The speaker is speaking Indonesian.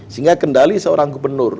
sehingga kendali seorang gubernur